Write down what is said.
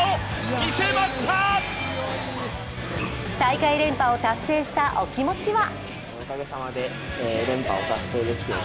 大会連覇を達成したお気持ちは？